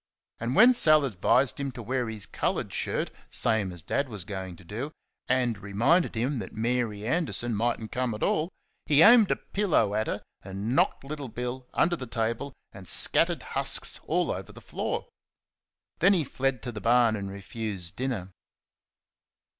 And when Sal advised him to wear his coloured shirt, same as Dad was going to do, and reminded him that Mary Anderson might n't come at all, he aimed a pillow at her and knocked Little Bill under the table, and scattered husks all over the floor. Then he fled to the barn and refused dinner.